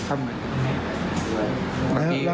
ถ้าคุณเล้วก็